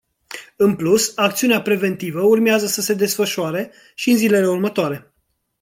În plus, acțiunea preventivă urmează să se desfășoare și în zilele următoare.